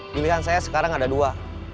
pilihan saya sekarang ada dua